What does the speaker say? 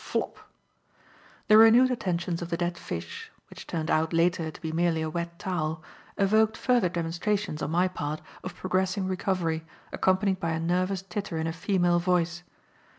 Flop! The renewed attentions of the dead fish (which turned out, later, to be merely a wet towel) evoked further demonstrations on my part of progressing recovery, accompanied by a nervous titter in a female voice.